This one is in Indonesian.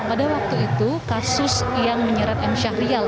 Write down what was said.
pada waktu itu kasus yang menyeret m syahrial